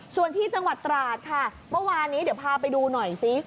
ส่วนที่จังหวัดตราดค่ะเมื่อวานนี้เดี๋ยวพาไปดูหน่อยซิ